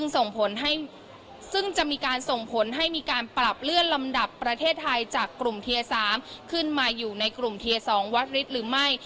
ส่งผลให้ซึ่งจะมีการส่งผลให้มีการปรับเลื่อนลำดับประเทศไทยจากกลุ่มเทียร์๓ขึ้นมาอยู่ในกลุ่มเทียร์๒วัดฤทธิ์หรือไม่